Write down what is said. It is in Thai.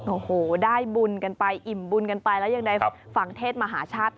โอ้โหได้บุญกันไปอิ่มบุญกันไปแล้วยังได้ฝั่งเทศมหาชาติ